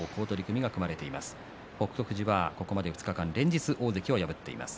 富士が、ここまで２日間連日、大関を破っています。